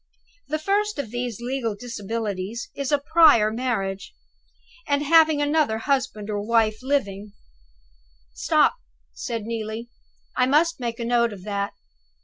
'The first of these legal disabilities is a prior marriage, and having another husband or wife living '" "Stop!" said Neelie; "I must make a note of that."